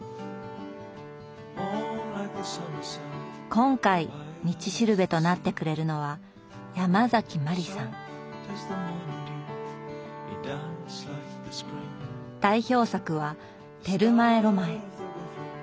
今回「道しるべ」となってくれるのは代表作は「テルマエ・ロマエ」。